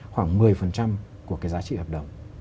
khoảng một mươi của cái giá trị hợp đồng